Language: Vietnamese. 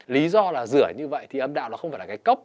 lý do là rửa như vậy thì âm đạo nó không phải là cái cốc